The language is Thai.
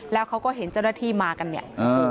แล้วเขาก็เห็นเจ้าหน้าที่มากันเนี่ย